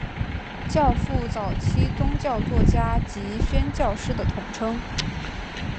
教父早期宗教作家及宣教师的统称。